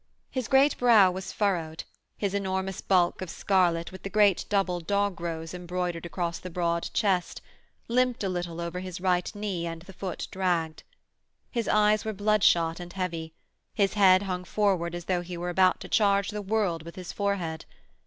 His great brow was furrowed, his enormous bulk of scarlet, with the great double dog rose embroidered across the broad chest, limped a little over his right knee and the foot dragged. His eyes were bloodshot and heavy, his head hung forward as though he were about to charge the world with his forehead.